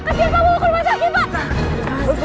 asli pak bawa kurma sakit pak